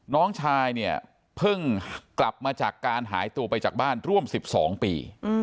น้องชายเนี่ยเพิ่งกลับมาจากการหายตัวไปจากบ้านร่วม๑๒ปี